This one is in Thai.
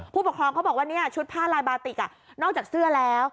ผู้ปกครองเขาบอกว่าชุดผ้าลายบาติกนอกจากเสื้อแล้ว